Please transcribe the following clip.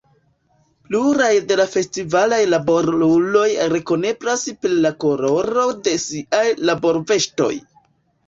Pluraj de la festivalaj laboruloj rekoneblas per la koloro de siaj laborveŝtoj.